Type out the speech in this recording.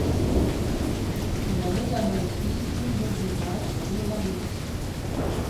Il a notamment écrit plusieurs ouvrages sur Léonard de Vinci.